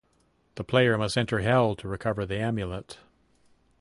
The player must enter Hell to recover the Amulet.